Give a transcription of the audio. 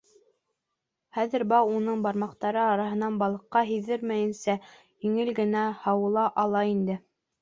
Хәҙер бау уның бармаҡтары араһынан, балыҡҡа һиҙҙермәйенсә, еңел генә һауыла ала ине.